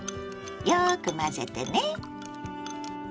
よく混ぜてね。